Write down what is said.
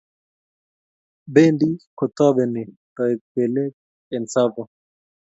Bendi kutobeni toek belik eng' Tsavo